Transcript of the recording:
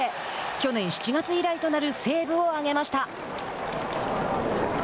去年７月以来となるセーブを挙げました。